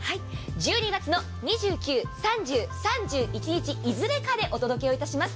１２月２９、３０、３１日、いずれかでお届けをいたします。